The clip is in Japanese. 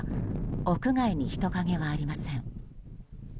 屋外に人影はありません。